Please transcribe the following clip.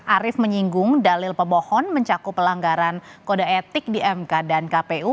arief menyinggung dalil pemohon mencakup pelanggaran kode etik di mk dan kpu